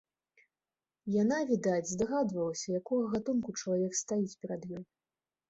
Яна, відаць, здагадвалася, якога гатунку чалавек стаіць перад ёй.